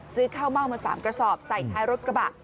ข้าวเม่ามา๓กระสอบใส่ท้ายรถกระบะ